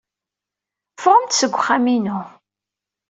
Ffɣemt seg wexxam-inu!